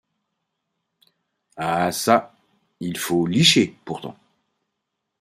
Ah çà! il faut licher pourtant.